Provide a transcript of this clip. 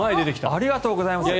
ありがとうございます。